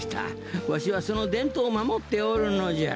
わしはそのでんとうをまもっておるのじゃ。